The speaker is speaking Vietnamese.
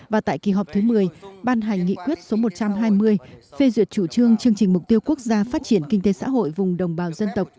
và tại kỳ họp thứ một mươi ban hành nghị quyết số một trăm hai mươi phê duyệt chủ trương chương trình mục tiêu quốc gia phát triển kinh tế xã hội vùng đồng bào dân tộc